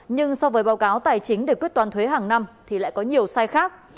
nhưng so với báo cáo tài chính để quyết toán thuế hàng năm thì lại có nhiều sai khác